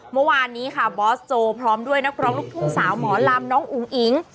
เมื่อวานนี้ค่ะบอสโจพร้อมด้วยนักร้องลูกทุ่งสาวหมอลำน้องอุ๋งอิ๋ง